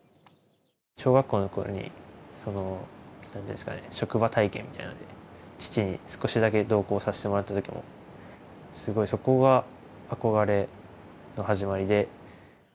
小学校のころに、職場体験みたいなので父に少しだけ同行させてもらったときも、すごい、そこが憧れの始まりで。